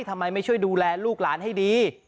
ทำไมไม่ช่วยดูแลลูกหลานให้ดี